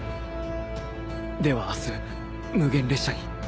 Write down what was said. では明日無限列車に。